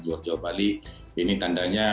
jawa bali ini tandanya